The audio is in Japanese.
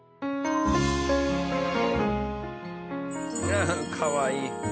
ああっかわいい。